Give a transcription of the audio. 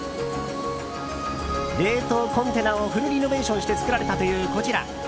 冷凍コンテナをフルリノベーションして作られたという、こちら。